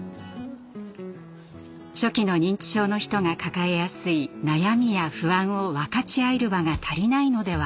初期の認知症の人が抱えやすい悩みや不安を分かち合える場が足りないのでは？